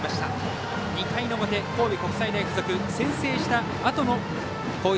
２回の表、神戸国際大付属先制したあとの攻撃。